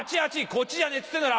こっちじゃねえっつってんだろ！